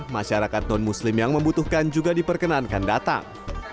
masyarakat non muslim yang membutuhkan juga diperkenankan datang